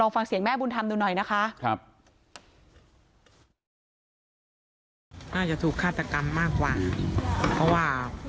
ฟังเสียงแม่บุญธรรมดูหน่อยนะคะ